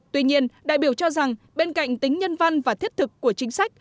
tuy nhiên đại biểu cho rằng bên cạnh tính nhân văn và thiết thực của chính sách